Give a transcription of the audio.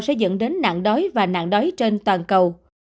sẽ dẫn đến nạn đói và nạn đói trên toàn cầu